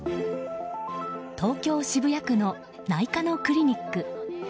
東京・渋谷区の内科のクリニック。